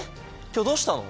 今日どうしたの？